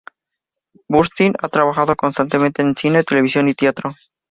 Burstyn ha trabajado constantemente en cine, televisión y teatro.